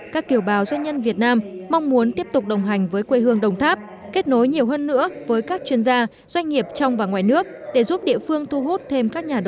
các kiều bào doanh nhân việt nam mong muốn tiếp tục đồng hành với quê hương đồng tháp kết nối nhiều hơn nữa với các chuyên gia doanh nghiệp trong và ngoài nước để giúp địa phương thu hút thêm các nhà đầu tư